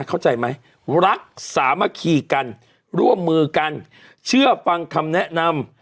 เข้าใจไหมรักสามัคคีกันร่วมมือกันเชื่อฟังคำแนะนำ